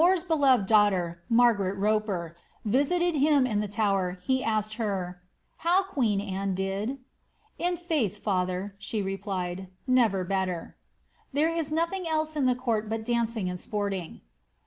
When More's beloved daughter, Margaret Roper, visited him in the Tower, he asked her, ^ How queen Anne did P* ^ In iaith, father,'^ she replied, ^ never better. There is nothing else in the court but dancing and sporting."